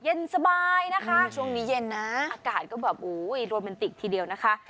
เย็นสบายนะคะช่วงนี้เย็นนะอากาศก็แบบอุ้ยโรแมนติกทีเดียวนะคะ